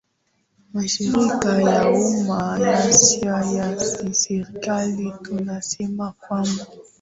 mashirika ya umma yasio ya kiserikali tunasema kwamba